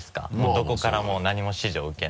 どこからも何も指示を受けない。